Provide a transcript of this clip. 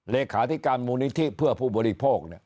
เลขาธิการมูลนิธิเพื่อผู้บริโภค